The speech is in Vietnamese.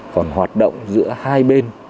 còn hoạt động giữa hai bên